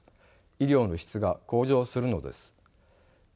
医療の質が向上するのです。